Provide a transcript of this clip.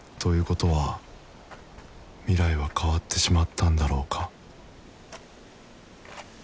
ことは未来は変わってしまったんだろうか？